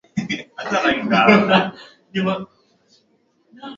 na serikali yake kutangaza kujiuzulu